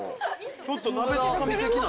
ちょっと鍋つかみ的な。